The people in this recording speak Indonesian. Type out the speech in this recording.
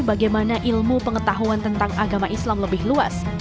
bagaimana ilmu pengetahuan tentang agama islam lebih luas